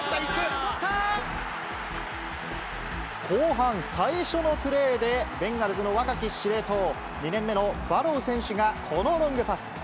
後半最初のプレーで、ベンガルズの若き司令塔、２年目のバロウ選手がこのロングパス。